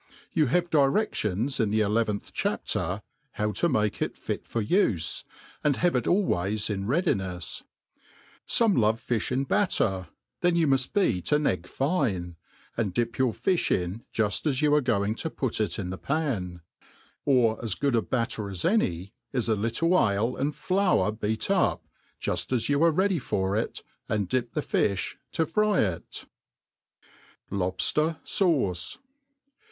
You have diredions in the eleventh chapter, how to make it fit for ufe, and have it always in readinefs. Some love, fifl^ in batter ; then you muft beat an egg fine, and dip your fifli in juft as you are going to put it in the pan ; or as good a batter as any, is a little ale and flour beat up, juft as you ^e ready for it, and dip the fifli, to fry it, Lobjier Sauce.